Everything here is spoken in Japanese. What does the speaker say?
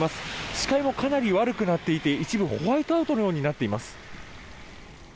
視界もかなり悪くなっていて一部ホワイトアウトのようになっています。